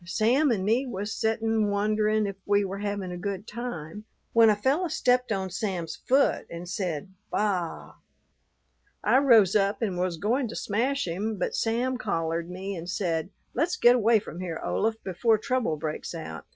Sam and me was settin' wonderin' if we were havin' a good time, when a fellow stepped on Sam's foot and said baa. I rose up and was goin' to smash him, but Sam collared me and said, 'Let's get away from here, Olaf, before trouble breaks out.'